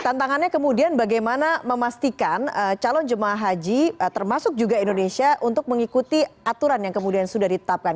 tantangannya kemudian bagaimana memastikan calon jemaah haji termasuk juga indonesia untuk mengikuti aturan yang kemudian sudah ditetapkan